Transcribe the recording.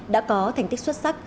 đã có thành tích xuất sắc